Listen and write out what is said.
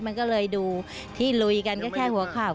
มันก็เลยดูที่ลุยกันก็แค่หัวข่าว